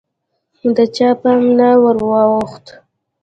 د چا پام نه وراوښت